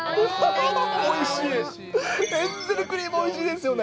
エンゼルクリーム、おいしいですよね。